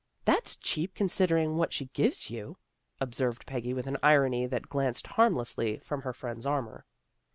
" That's cheap, considering what she gives you," observed Peggy with an irony that glanced harmlessly from her friend's armor.